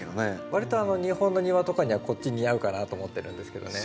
わりと日本の庭とかにはこっち似合うかなと思ってるんですけどね。